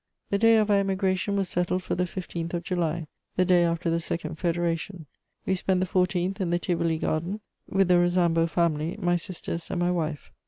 The day of our emigration was settled for the 15th of July, the day after the second Federation. We spent the 14th in the Tivoli garden, with the Rosanbo family, my sisters and my wife.